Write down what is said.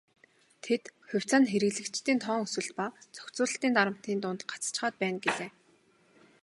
Тэд "хувьцаа нь хэрэглэгчдийн тоон өсөлт ба зохицуулалтын дарамтын дунд гацчихаад байна" гэлээ.